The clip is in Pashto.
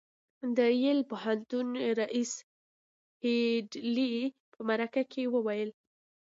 د یل پوهنتون ريیس هيډلي په مرکه کې وویل